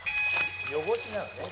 「汚しなのね。